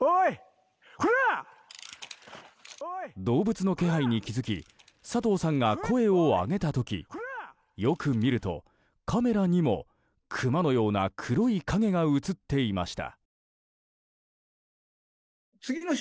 動物の気配に気づき佐藤さんが声を上げた時よく見るとカメラにもクマのような黒い影が映っていました。